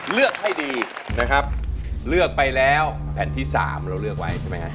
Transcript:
เลือกให้ดีนะครับเลือกไปแล้วแผ่นที่สามเราเลือกไว้ใช่ไหมครับ